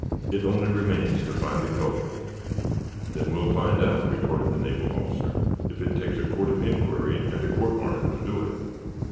It only remains to find the culprit." "Then we'll find out," retorted the naval officer, "if it takes a court of inquiry and a court martial to do it.